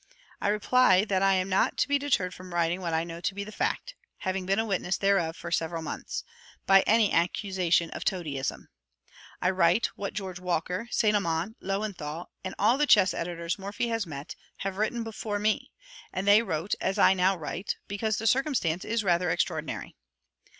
I reply that I am not to be deterred from writing what I know to be the fact (having been a witness thereof for several months) by any accusation of toadyism. I write what George Walker, Saint Amant, Löwenthal, and all the chess editors Morphy has met, have written before me; and they wrote as I now write, because the circumstance is rather extraordinary.